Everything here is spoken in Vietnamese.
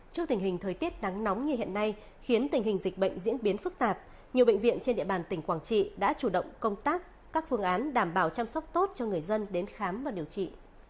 trước tình hình thời tiết nắng nóng như hiện nay khiến tình hình dịch bệnh diễn biến phức tạp nhiều bệnh viện trên địa bàn tỉnh quảng trị đã chủ động công tác các phương án đảm bảo chăm sóc tốt cho người dân đến khám và điều trị